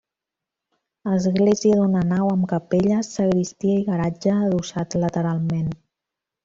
Església d'una nau amb capelles, sagristia i garatge adossat lateralment.